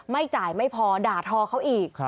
ไม่จ่ายไม่พอด่าทอเขาอีก